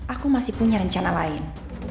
aku masih punya rencana lain